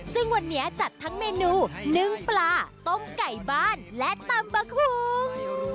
ซึ่งวันนี้จัดทั้งเมนูนึ่งปลาต้มไก่บ้านและตำปะคุ้ง